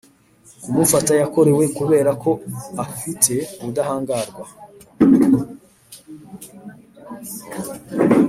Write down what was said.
kumufata yakorewe kubera ko afite ubudahangarwa